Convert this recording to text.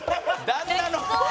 旦那の。